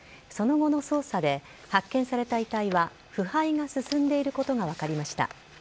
その後の捜査で発見された遺体は腐敗が進んでいることが分かりました。